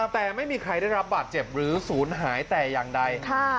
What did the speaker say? แต่ไม่มีใครได้รับบัตรเจ็บหรือสูญหายตัยังใด